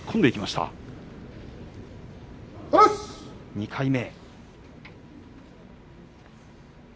２回目。